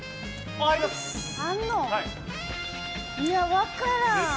分からん。